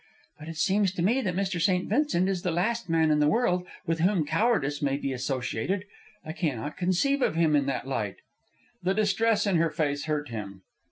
"But it seems to me that Mr. St. Vincent is the last man in the world with whom cowardice may be associated. I cannot conceive of him in that light." The distress in her face hurt him.